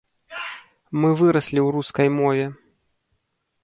Мы выраслі ў рускай мове.